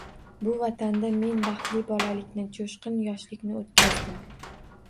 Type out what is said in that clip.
Bu vatanda men baxtli bolalikni, jo‘shqin yoshlikni o‘tkazdim